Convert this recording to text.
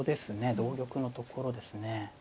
同玉のところですね。